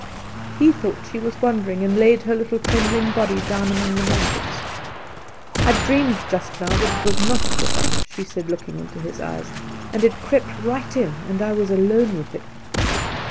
He thought she was wandering, and laid her little trembling body down among the blankets. "I dreamed just now that it was not put up," she said, looking into his eyes; "and it crept right in and I was alone with it."